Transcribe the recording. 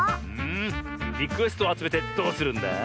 リクエストをあつめてどうするんだ？